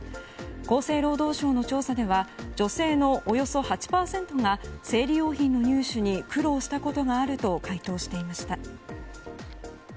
厚生労働省の調査では女性のおよそ８％が生理用品の入手に苦労したことがあると回答していました。